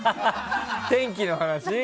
天気の話？